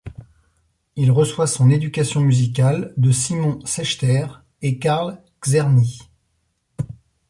Il reçoit son éducation musicale de Simon Sechter et Carl Czerny.